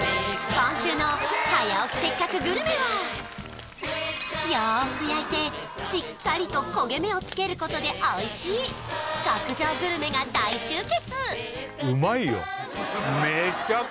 今週の「早起きせっかくグルメ！！」はよーく焼いてしっかりと焦げ目をつけることでおいしい極上グルメが大集結！